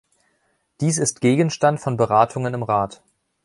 Dies ist Gegenstand von Beratungen im Rat.